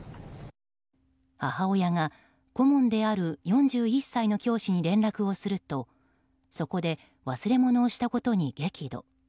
母親が、顧問である４１歳の教師に連絡をするとそこで忘れ物をしたことに激怒。